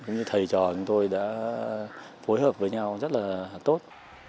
cũng như thầy trò chúng tôi đã phối hợp với nhau rất là tốt